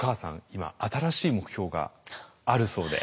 今新しい目標があるそうで。